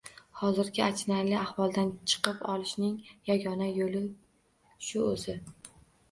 Hozirgi achinarli ahvoldan chiqib olishning yagona yo‘li shu o‘zi.